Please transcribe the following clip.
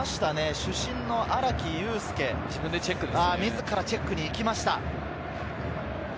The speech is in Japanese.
主審の荒木友輔、自らチェックに行きました。